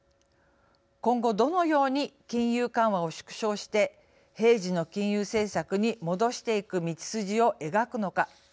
今後どのように金融緩和を縮小して平時の金融政策に戻していく道筋を描くのか。